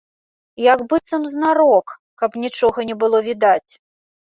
Як быццам знарок, каб нічога не было відаць.